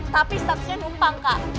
tapi seharusnya numpang kak